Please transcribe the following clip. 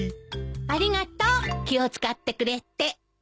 ありがとう気を使ってくれて。